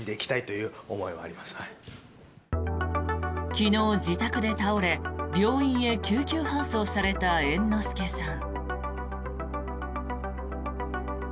昨日、自宅で倒れ病院へ救急搬送された猿之助さん。